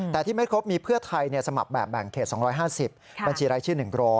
แต่ที่ไม่ครบมีเพื่อไทยสมัครแบบแบ่งเขต๒๕๐บัญชีรายชื่อ๑๐๐